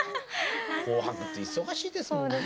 「紅白」って忙しいですもんね。